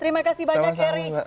terima kasih banyak